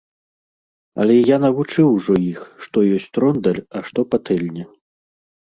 Але я навучыў ўжо іх, што ёсць рондаль, а што патэльня.